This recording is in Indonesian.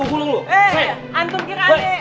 eh anjir kira ane